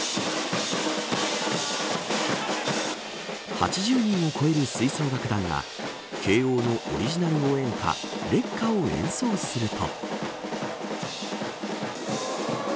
８０人を超える吹奏楽団が慶応のオリジナル応援歌烈火を演奏すると。